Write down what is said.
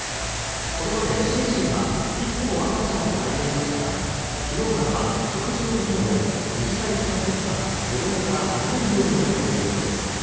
これまでシンシンは、いつも赤ちゃんを抱いていましたが昨日からは食事の時など短い期間ですが子供から離れるようになったということです。